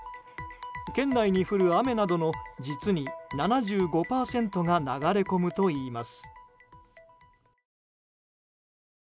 県内に降る雨などの実に７５％が流れ込むといいます。